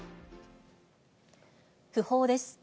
訃報です。